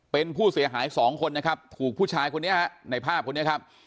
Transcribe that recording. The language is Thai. เป็นผู้เสียหายสองคนนะครับถูกผู้ชายคนนี้ฮะในภาพคนนี้ครับ